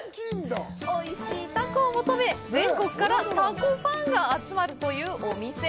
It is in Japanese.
おいしいたこを求め、全国からたこファンが集まるというお店。